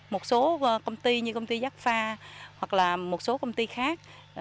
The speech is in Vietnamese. một số công ty như công ty giác pha hoặc là một số công ty khác